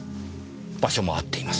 場所も合っています。